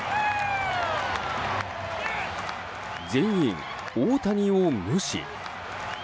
全員、大谷を無視。